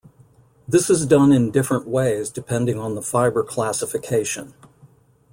This is done in different ways depending on the fiber classification.